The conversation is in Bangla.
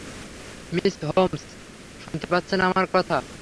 মিস হোমস, শুনতে পাচ্ছেন আমার কথা?